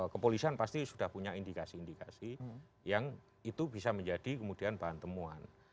kepolisian pasti sudah punya indikasi indikasi yang itu bisa menjadi kemudian bahan temuan